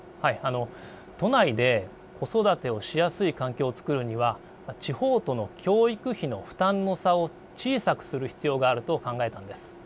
都内で子育てをしやすい環境を作るには地方との教育費の負担の差を小さくする必要があると考えたんです。